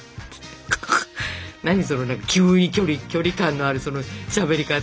何その急に距離感のあるそのしゃべり方。